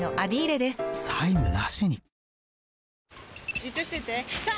じっとしてて３！